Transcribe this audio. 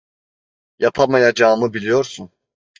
Yapamayacağımı biliyorsun.